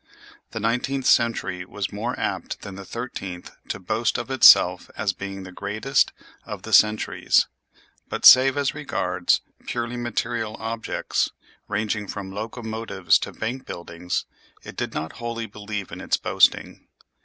The nineteenth century was more apt than the thirteenth to boast of itself as being the greatest of the centuries; but, save as regards purely material objects, ranging from locomotives to bank buildings, it did not wholly believe in its boasting.